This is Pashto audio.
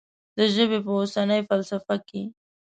د ژبې په اوسنۍ فلسفه کې.